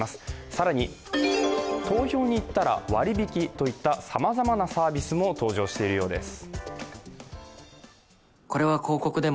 更に投票に行ったら割引などといったさまざまなサービスも登場しているようです。